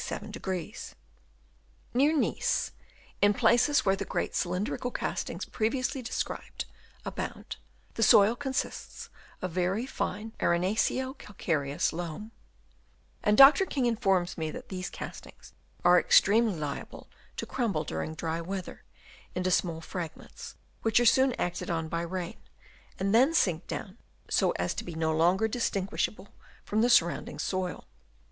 Near Nice, in places where the great cylin drical castings, previously described, abound, the soil consists of very fine arenaceo cal careous loam ; and Dr. King informs me that Chap. VI. AIDED BY WORMS. 279 these eastings are extremely liable to crumble during dry weather into small fragments, which are soon acted on by rain, and then sink down so as to be no longer distinguish able from the surrounding soil.